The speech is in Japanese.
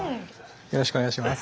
よろしくお願いします。